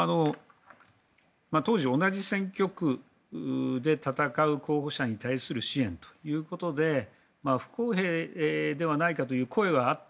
当時、同じ選挙区で戦う候補者に対する支援ということで不公平ではないかという声はあった。